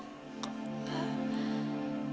kamu bisa dapatkan apa yang kamu mau